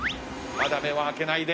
まだ目は開けないで。